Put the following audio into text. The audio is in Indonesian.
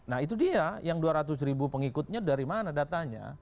nah itu dia yang dua ratus ribu pengikutnya dari mana datanya